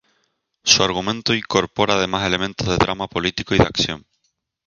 Su argumento incorpora además elementos de drama político y de acción.